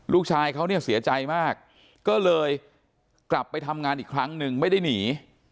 ลูกชายเขาเนี่ยเสียใจมากก็เลยกลับไปทำงานอีกครั้งหนึ่งไม่ได้หนี